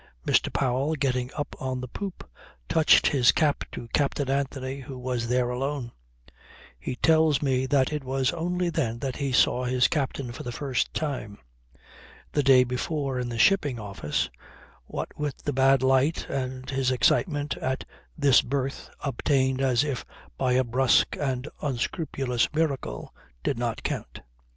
Mr. Powell, getting up on the poop, touched his cap to Captain Anthony, who was there alone. He tells me that it was only then that he saw his captain for the first time. The day before, in the shipping office, what with the bad light and his excitement at this berth obtained as if by a brusque and unscrupulous miracle, did not count.